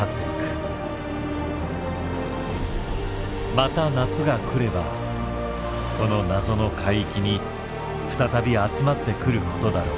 また夏が来ればこの謎の海域に再び集まってくることだろう。